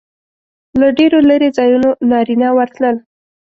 له ډېرو لرې ځایونو نارینه ورتلل.